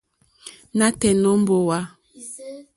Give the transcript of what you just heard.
Nǎtɛ̀ɛ̀ nǒ mbówà.